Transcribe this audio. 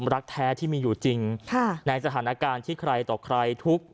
รักแท้ที่มีอยู่จริงในสถานการณ์ที่ใครต่อใครทุกข์